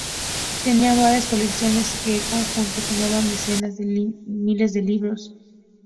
Tenían varias colecciones que en conjunto sumaban decenas de miles de libros.